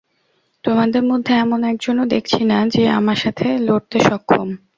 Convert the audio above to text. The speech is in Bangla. তোমাদের মধ্যে এমন একজনও দেখছি না যে আমার সাথে লড়তে সক্ষম।